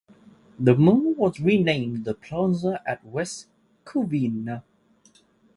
The mall was renamed "The Plaza at West Covina".